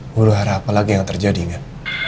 murah harap apalagi yang terjadi kan